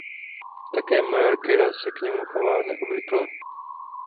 Také major Kira se k němu chová neobvykle.